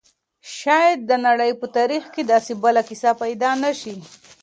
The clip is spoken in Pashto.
شاید د نړۍ په تاریخ کې داسې بله کیسه پیدا نه شي.